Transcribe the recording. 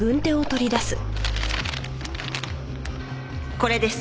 これです。